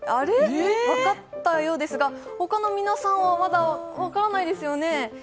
分かったようですが、他の皆さんはまだ分からないですよね？